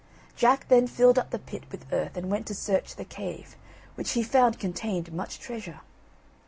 Jack then filled up the pit with earth, and went to search the cave, which he found contained much treasure.